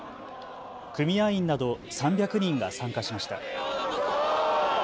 組合員など３００人が参加しました。